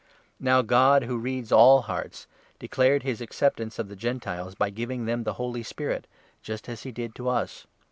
Now God, who reads all hearts, declared his acceptance 8 of the Gentiles, by giving them the Holy Spirit, just as he did to us.